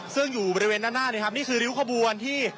ซึ่งอยู่บริเวณหน้านี่คือริ้วขบวนที่